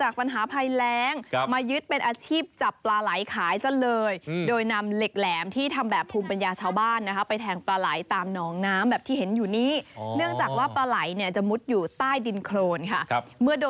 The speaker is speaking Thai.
ก็ต้องพยายามออกไปหาเพื่อเป็นการสร้างรายได้เสริม